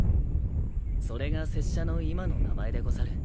それが拙者の今の名前でござる。